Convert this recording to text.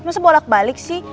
masa bolak balik sih